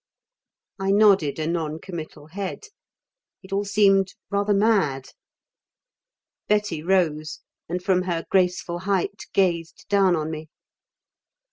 I nodded a non committal head. It all seemed rather mad. Betty rose and from her graceful height gazed down on me.